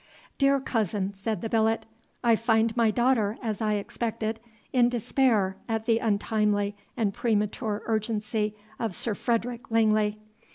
"Dear cousin," said the billet, "I find my daughter, as I expected, in despair at the untimely and premature urgency of Sir Frederick Langley.